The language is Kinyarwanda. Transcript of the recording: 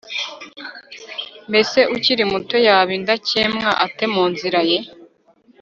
mbese ukiri muto yaba indakemwa ate mu nzira ye